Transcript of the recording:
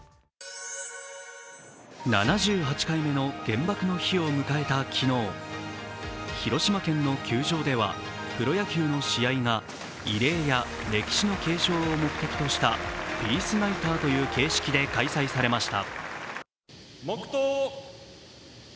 ７８回目の原爆の日を迎えた昨日、広島県の球場ではプロ野球の試合が慰霊や歴史の継承を目的としたピースナイターという形式で開催されました。